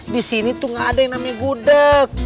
disini tuh gak ada yang namanya gudeg